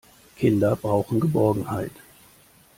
Kinder brauchen Geborgenheit.